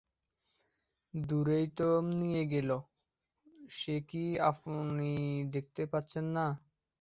দূরেই তো নিয়ে গেল, সে কি আপনি দেখতে পাচ্ছেন না?